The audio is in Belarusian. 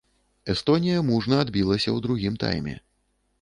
Эстонія мужна адбілася ў другім тайме.